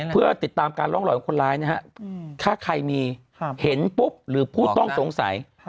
เพื่อติดตามการร่องรอยของคนร้ายนะฮะถ้าใครมีเห็นปุ๊บหรือผู้ต้องสงสัย